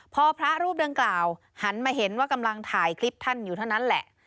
พอพระรูปดังกล่าวหันมาเห็นว่ากำลังถ่ายคลิปท่านอยู่เท่านั้นแหละ